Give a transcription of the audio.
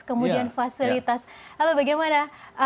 kemudian fasilitas apa bagaimana